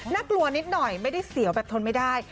กลัวนิดหน่อยไม่ได้เสียวแบบทนไม่ได้